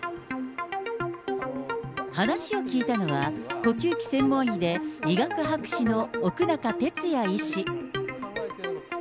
話を聞いたのは、呼吸器専門医で医学博士の奥仲哲弥医師。